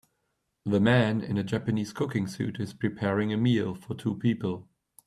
The man in a Japanese cooking suit is preparing a meal for two people.